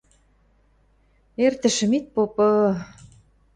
– Эртӹшӹӹм ит попы...